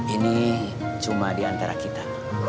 ini cuma di antara kita